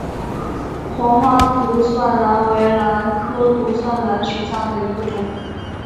黄花独蒜兰为兰科独蒜兰属下的一个种。